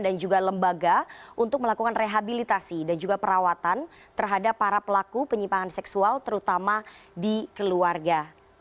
dan juga lembaga untuk melakukan rehabilitasi dan juga perawatan terhadap para pelaku penyimpangan seksual terutama di keluarga